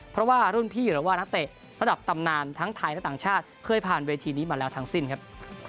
เพราะว่ารุ่นพี่หรือว่านักเตะระดับตำนานทั้งไทยและต่างชาติเคยผ่านเวทีนี้มาแล้วทั้งสิ้นครับ